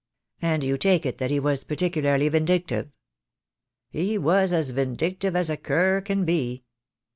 "And you take it that he was particularly vindictive?" "He was as vindictive as a cur can be."